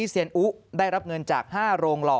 เซียนอุได้รับเงินจาก๕โรงหล่อ